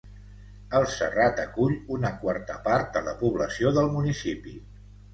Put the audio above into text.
El Serrat acull una quarta part de la població del municipi.